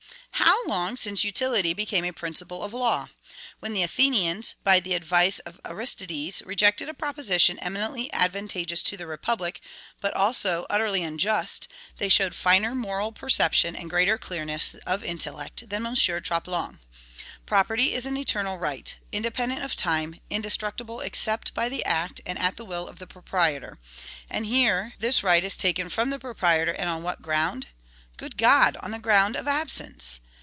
How long since utility became a principle of law? When the Athenians, by the advice of Aristides, rejected a proposition eminently advantageous to their republic, but also utterly unjust, they showed finer moral perception and greater clearness of intellect than M. Troplong. Property is an eternal right, independent of time, indestructible except by the act and at the will of the proprietor; and here this right is taken from the proprietor, and on what ground? Good God! on the ground of ABSENCE!